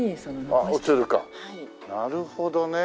なるほどね。